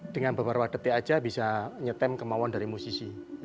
dengan beberapa detik aja bisa nyetem kemauan dari musisi